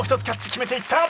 決めていった。